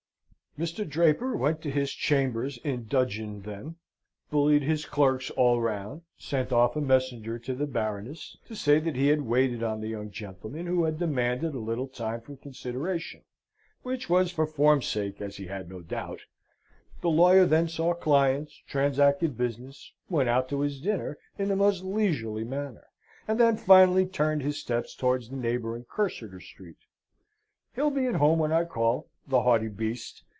Mr. Draper went to his chambers in dudgeon then; bullied his clerks all round, sent off a messenger to the Baroness, to say that he had waited on the young gentleman, who had demanded a little time for consideration, which was for form's sake, as he had no doubt; the lawyer then saw clients, transacted business, went out to his dinner in the most leisurely manner; and then finally turned his steps towards the neighbouring Cursitor Street. "He'll be at home when I call, the haughty beast!"